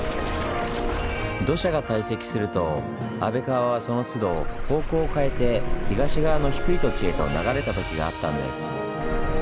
土砂が堆積すると安倍川はそのつど方向を変えて東側の低い土地へと流れたときがあったんです。